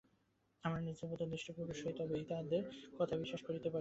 আমরা নিজেরা যদি প্রত্যাদিষ্ট পুরুষ হই, তবেই আমরা তাঁহাদের কথা বিশ্বাস করিতে পারিব।